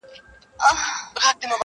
موږ به يې پر تنديانو مچ کړو